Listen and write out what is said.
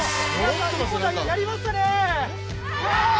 皆さん、日本代表、やりましたね！